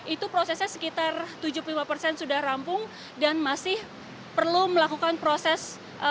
itu prosesnya sekitar tujuh puluh lima persen sudah rampung dan masih perlu melakukan proses